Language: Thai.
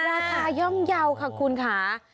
ราคาย่อมเยาว์ค่ะคุณค่ะ